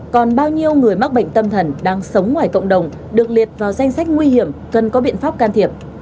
còn bao nhiêu người mắc bệnh tâm thần đang sống ngoài cộng đồng được liệt vào danh sách nguy hiểm cần có biện pháp can thiệp